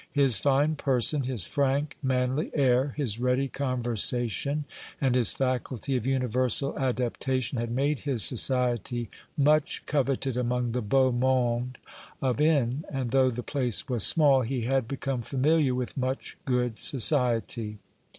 His fine person, his frank, manly air, his ready conversation, and his faculty of universal adaptation had made his society much coveted among the beau monde of N.; and though the place was small, he had become familiar with much good society.